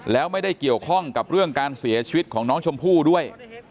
แล้วไม่ได้เกี่ยวข้องกับเรื่องการเสียชีวิตของน้องชมพู่ด้วย